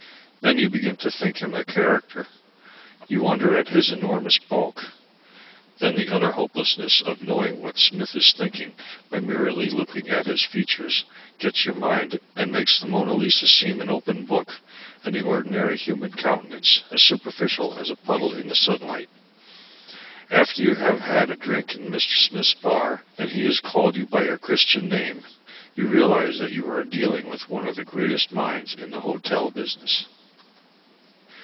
Then you begin to think him a character. You wonder at his enormous bulk. Then the utter hopelessness of knowing what Smith is thinking by merely looking at his features gets on your mind and makes the Mona Lisa seem an open book and the ordinary human countenance as superficial as a puddle in the sunlight. After you have had a drink in Mr. Smith's bar, and he has called you by your Christian name, you realize that you are dealing with one of the greatest minds in the hotel business.